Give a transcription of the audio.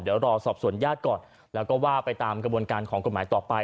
เดี๋ยวรอสอบส่วนญาติก่อนแล้วก็ว่าไปตามกระบวนการของกฎหมายต่อไป